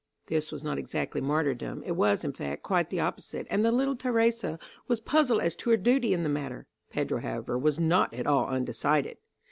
This was not exactly martyrdom; it was, in fact, quite the opposite, and the little Theresa was puzzled as to her duty in the matter. Pedro, however, was not at all undecided.